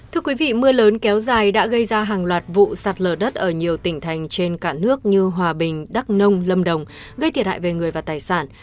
thưa quý vị mưa lớn kéo dài đã gây ra hàng loạt vụ sạt lở đất ở nhiều tỉnh thành trên cả nước như hòa bình đắk nông lâm đồng gây thiệt hại về người và tài sản